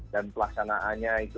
dan pelaksanaannya itu